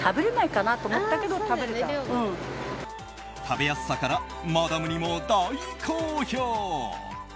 食べやすさからマダムにも大好評。